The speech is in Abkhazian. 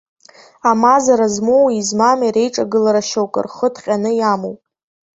Амазара змоуи измами реиҿагылара шьоук рхы ҭҟьаны иамоуп!